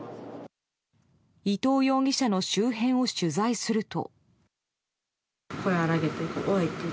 伊藤容疑者の周辺を取材すると。